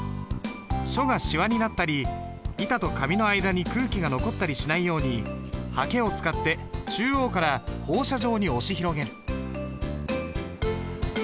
書がしわになったり板と紙の間に空気が残ったりしないようにはけを使って中央から放射状に押し広げる。